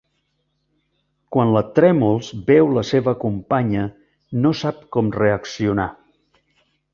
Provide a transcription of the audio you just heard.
Quan la Trèmols veu la seva companya no sap com reaccionar.